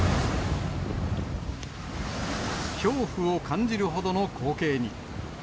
恐怖を感じるほどの光景に。